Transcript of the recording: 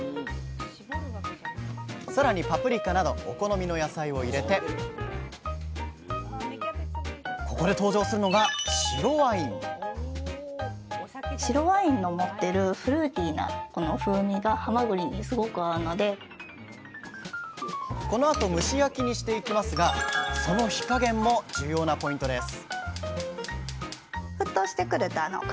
更にパプリカなどお好みの野菜を入れてここで登場するのがこのあと蒸し焼きにしていきますがその火加減も重要なポイントです